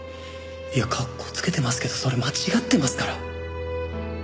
いやかっこつけてますけどそれ間違ってますから！